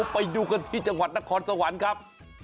ไปดูกันที่จังหวัดนครสวรรค์ครับ